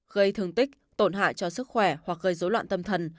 gây thương tích tổn hại cho sức khỏe hoặc gây dối loạn tâm thần